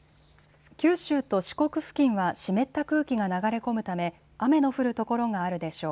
九州と四国付近は湿った空気が流れ込むため雨の降る所があるでしょう。